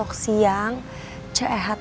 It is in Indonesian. eha kan sudah biasa mengerjakan kerjaan rumah